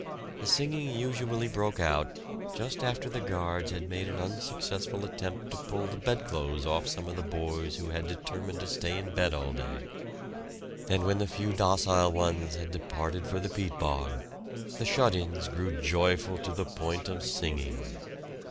The singing usually broke out just after the guards had made an unsuccessful attempt to pull the bedclothes off some of the boys who had determined to stay in bed all day; and when the few docile ones had departed for the peat bog, the "shut ins" grew joyful to the point of singing.